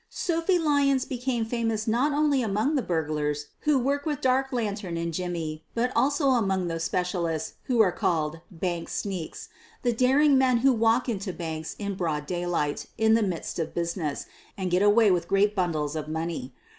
Sophie Lyons became famous not only among the burglars who work with dark lantern and jimmy but also among those specialists who are called "bank sneaks" — the daring men who walk into banks in broad daylight, in the midst of business, and get away with great bundles of money.